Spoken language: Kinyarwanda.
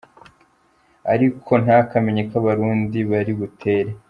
Ariko ntakamenye ko Abarundi bari butere.